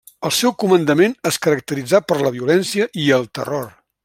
El seu comandament es caracteritzà per la violència i el terror.